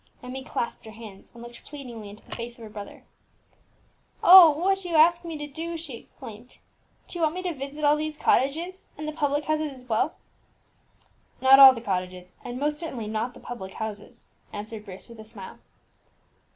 Emmie clasped her hands, and looked pleadingly into the face of her brother. "Oh! what do you ask me to do?" she exclaimed; "do you want me to visit all these cottages, and the public houses as well!" "Not all the cottages, and most certainly not the public houses," answered Bruce with a smile.